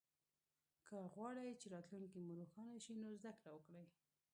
که غواړی چه راتلونکې مو روښانه شي نو زده ګړې وکړئ